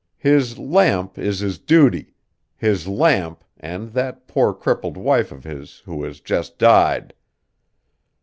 His lamp is his duty; his lamp and that poor crippled wife of his who has just died.